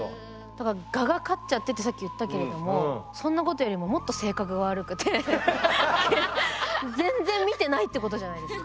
だから「我が勝っちゃって」ってさっき言ったけれどもそんなことよりももっと性格が悪くて全然見てないってことじゃないですか。